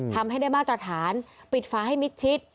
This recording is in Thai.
ทำให้ได้มาตรฐานปิดฟ้าให้มิดชิด